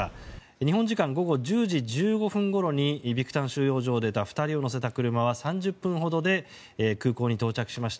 日本時間午後１０時１５分ごろにビクタン収容所を出た２人を乗せた車は３０分ほどで空港に到着しました。